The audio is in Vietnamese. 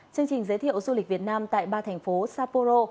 chương trình giới thiệu du lịch việt nam tại ba thành phố saporo